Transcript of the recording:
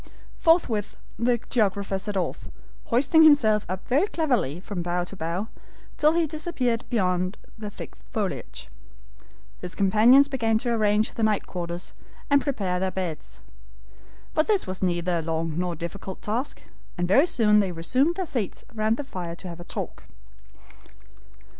Forthwith the geographer set off, hoisting himself up very cleverly from bough to bough, till he disappeared beyond the thick foliage. His companions began to arrange the night quarters, and prepare their beds. But this was neither a long nor difficult task, and very soon they resumed their seats round the fire to have a talk.